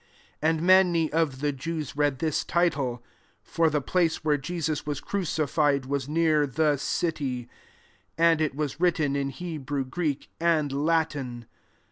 20 And many of the Jews read this title; for the place where Jesus was crucified was near the city : and it was writ ten in Hebrew, Greek, and La tin.